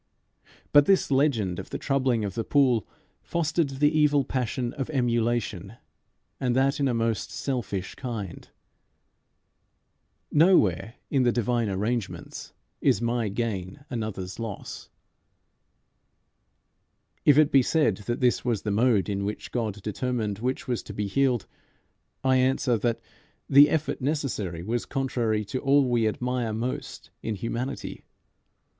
But this legend of the troubling of the pool fostered the evil passion of emulation, and that in a most selfish kind. Nowhere in the divine arrangements is my gain another's loss. If it be said that this was the mode in which God determined which was to be healed, I answer that the effort necessary was contrary to all we admire most in humanity.